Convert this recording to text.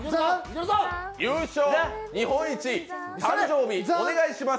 優勝、日本一、誕生日、お願いします。